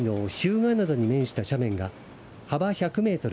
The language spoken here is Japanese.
灘に面した斜面が幅１００メートル